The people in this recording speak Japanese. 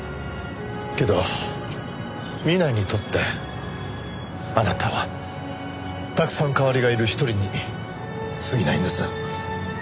けど南井にとってあなたはたくさん代わりがいる一人に過ぎないんです。